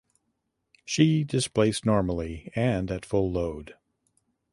She displaced normally and at full load.